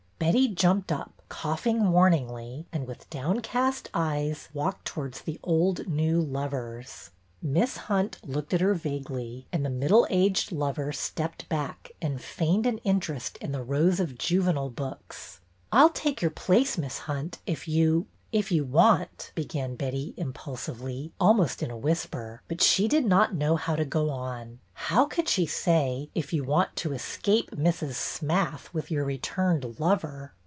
Betty jumped up, coughing warningly, and with downcast eyes walked towards the old new lovers. Miss Hunt looked at her vaguely, and the 200 BETTY BAIRD'S VENTURES middle aged lover stepped back and feigned an interest in the rows of juvenile books. I 'll take your place, Miss Hunt, if you — if you want —" began Betty, impulsively, almost in a whisper; but she did not know how to go on. How could she say, " If you want to escape Mrs. Smath with your returned lover